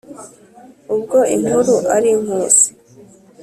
ubwo inkuru ari inkusi